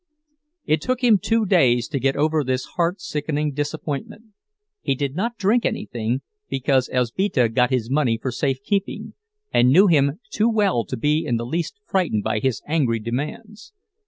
It took him two days to get over this heart sickening disappointment. He did not drink anything, because Elzbieta got his money for safekeeping, and knew him too well to be in the least frightened by his angry demands.